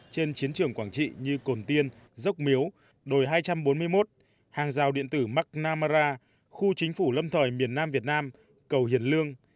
trên chiến trường quảng trị như cồn tiên dốc miếu đồi hai trăm bốn mươi một hàng rào điện tử mark namara khu chính phủ lâm thời miền nam việt nam cầu hiền lương